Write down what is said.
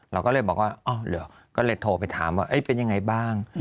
เราก็เลยบอกว่าอ๋อเหรอก็เลยโทรไปถามว่าเป็นยังไงบ้าง